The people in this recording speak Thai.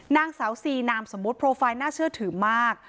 นางสาวซีนามสมมุติโปรไฟล์น่าเชื่อถือมาก